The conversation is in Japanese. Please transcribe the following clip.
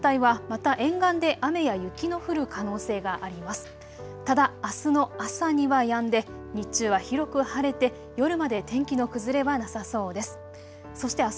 ただ、あすの朝にはやんで日中は広く晴れて夜まで天気の崩れはなさそうです。